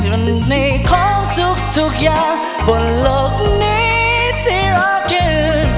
ในของทุกอย่างบนโลกนี้ที่รอยืน